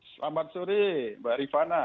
selamat sore mbak rifana